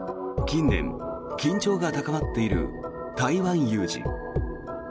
近年、緊張が高まっている台湾有事。